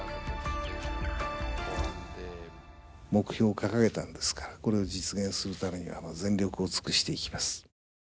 目標をかかげたんですからこれを実現するためには全力をつくしていきます。